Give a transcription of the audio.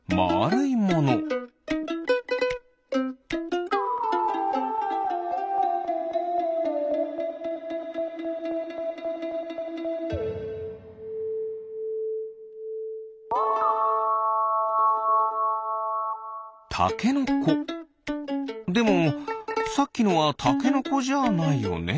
でもさっきのはタケノコじゃないよね。